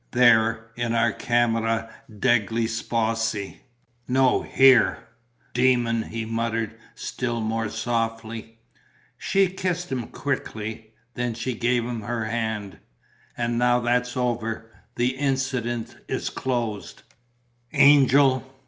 "There, in our camera degli sposi." "No, here." "Demon!" he muttered, still more softly. She kissed him quickly. Then she gave him her hand: "And now that's over. The incident is closed." "Angel!